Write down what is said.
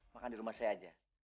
makan di rumah saya aja